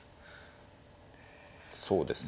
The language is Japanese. そうですね。